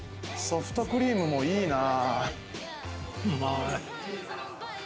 ソフトクリームもいいな。